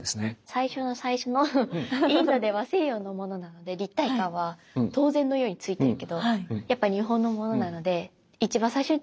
最初の最初のインドでは西洋のものなので立体感は当然のようについてるけどやっぱ日本のものなのでそうなんですね。